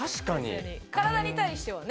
体に対してはね。